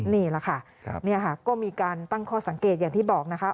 นี่แหละค่ะก็มีการตั้งข้อสังเกตอย่างที่บอกนะคะ